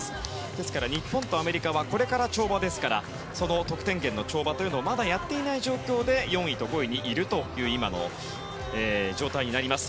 ですから日本とアメリカはこれから跳馬ですから得点源の跳馬をまだやっていない状況で４位と５位にいるという今の状態になります。